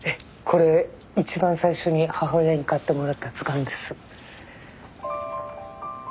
これ一番最初に母親に買ってもらった図鑑です。